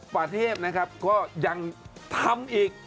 ประเทศนะครับก็ยังทำอีก